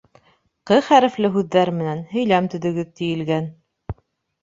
«Ҡ» хәрефле һүҙҙәр менән һөйләм төҙөгөҙ, тиелгән.